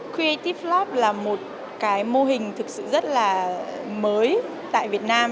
creative lab là một cái mô hình thực sự rất là mới tại việt nam